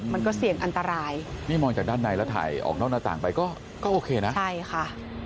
มันก็เสี่ยงอันตรายนี่มองจากด้านในแล้วถ่ายออกนอกหน้าต่างไปก็ก็โอเคนะใช่ค่ะ